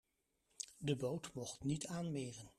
De boot mocht niet aanmeren.